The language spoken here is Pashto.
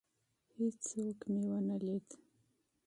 هیڅوک مي ونه لید.